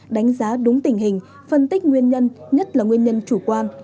đánh giá đúng tình hình phân tích nguyên nhân nhất là nguyên nhân chủ quan